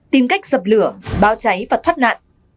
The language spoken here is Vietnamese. một tìm cách dập lửa bao cháy và thoát nạn